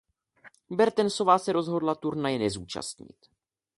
Bertensová se rozhodla turnaje nezúčastnit.